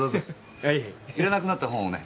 いらなくなった本をね